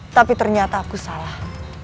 tapi ternyata aku salah